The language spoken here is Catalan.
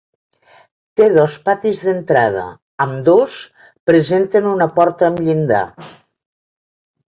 Té dos patis d'entrada, ambdós presenten una porta amb llinda.